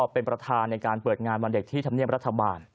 เป็นประธานในการเปิดงานวันเด็กที่ธรรมเนียมรัฐบาล